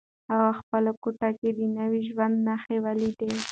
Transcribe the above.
هغه په خپله کوټه کې د نوي ژوند نښې ولیدلې.